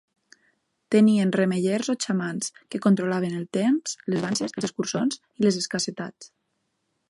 Tenien remeiers o xamans que controlaven el temps, les danses, els escurçons i les escassetats.